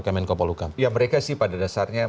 ya mereka sih pada dasarnya